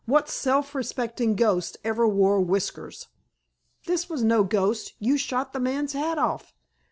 What self respecting ghost ever wore whiskers?" "This was no ghost. You shot the man's hat off."